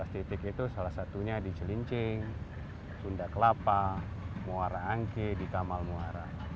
tiga belas titik itu salah satunya di celincing sunda kelapa muara angke di kamal muara